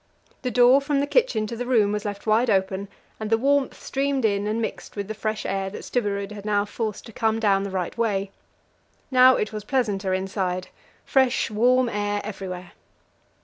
The door from the kitchen to the room was left wide open, and the warmth streamed in and mixed with the fresh air that Stubberud had now forced to come down the right way. Now it was pleasanter inside fresh, warm air everywhere.